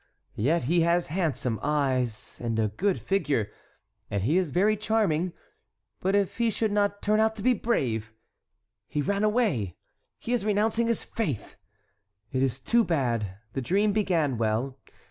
Yet he has handsome eyes—and a good figure, and he is very charming; but if he should not turn out to be brave!—He ran away!—He is renouncing his faith! It is too bad—the dream began well.